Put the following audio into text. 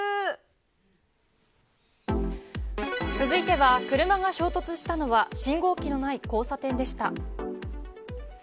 続いては、車が衝突したのは信号機のない交差点でした。